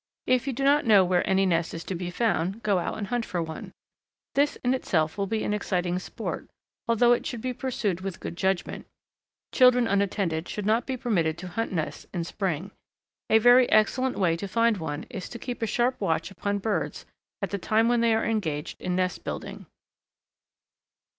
If you do not know where any nest is to be found go out and hunt for one. This in itself will be an exciting sport, although it should be pursued with good judgment. Children unattended should not be permitted to hunt nests in spring. A very excellent way to find one is to keep a sharp watch upon birds at the time when they are engaged in nest building.